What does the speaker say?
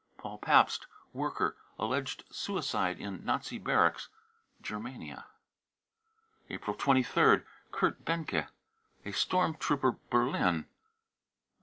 Paul papst, worker, alleged suicide in Nazi barracks. (Ger~ mania). April 23rd. kurt benke, a storm trooper, Berlin.